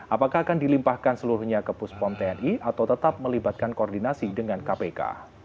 apakah akan dilimpahkan seluruhnya ke puspom tni atau tetap melibatkan koordinasi dengan kpk